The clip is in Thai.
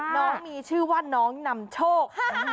น้องมีชื่อว่าน้องนำโชค